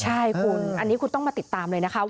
ใช่คุณอันนี้คุณต้องมาติดตามเลยนะคะ